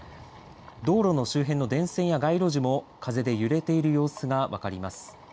道路の周辺の電線や街路樹も風で揺れている様子が分かります。